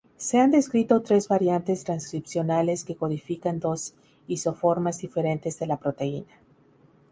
Se han descrito tres variantes transcripcionales que codifican dos isoformas diferentes de la proteína.